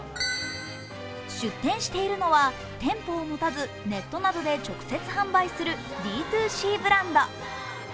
出店しているのは店舗を持たずネットなどで直接販売するＤ２Ｃブランド。